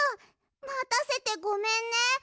またせてごめんね！